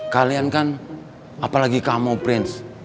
kalian kan apalagi kamu prince